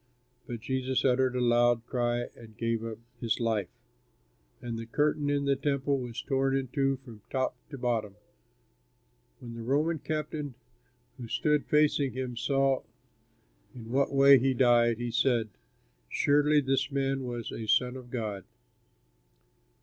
But Jesus uttered a loud cry and gave up his life. And the curtain of the Temple was torn in two from the top to the bottom. When the Roman captain who stood facing him saw in what way he died, he said, "Surely this man was a son of God."